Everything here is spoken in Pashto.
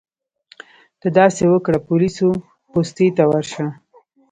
ته داسې وکړه پولیسو پوستې ته ورشه.